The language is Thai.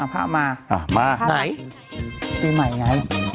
ผ้ามันมา